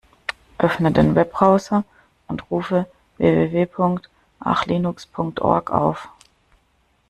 Öffne den Webbrowser und rufe www.archlinux.org auf.